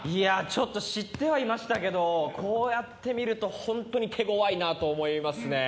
知ってはいましたけど、こうやって見ると本当に手強いなと思いますね。